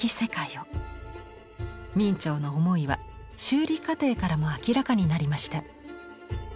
明兆の思いは修理過程からも明らかになりました。